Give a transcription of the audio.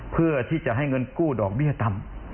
เพื่อที่จะให้เงินกู้ดอกเบี้ยต่ำ